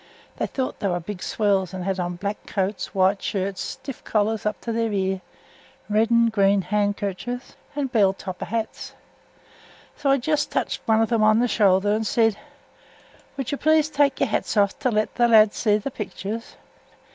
They thowt they were big swells, and had on black coats, white shirts, stiff collars up to their ears, red and green neck handkerchers, and bell topper hats; so I just touched one of em on th' showder and said: 'Would you please tek your hats off to let th' lads see th' pictures?'